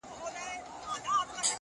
زه وايم دا!!